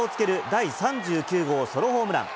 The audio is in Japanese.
第３９号ソロホームラン。